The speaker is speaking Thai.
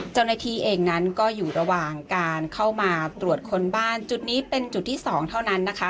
เจ้าหน้าที่เองนั้นก็อยู่ระหว่างการเข้ามาตรวจค้นบ้านจุดนี้เป็นจุดที่๒เท่านั้นนะคะ